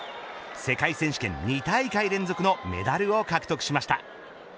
世界選手権２大会連続のメダルを獲得しました。